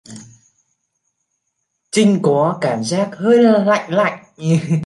Trinh có cảm giác hơi lạnh lạnh